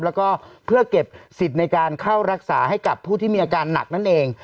แล้วก็เพื่อเก็บสิทธิ์ในการเข้ารักษาให้กับผู้ที่มีอาการหนักนั่นเอง